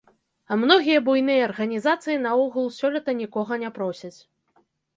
А многія буйныя арганізацыі наогул сёлета нікога не просяць.